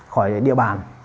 khỏi địa bàn